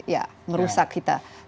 ya merusak kita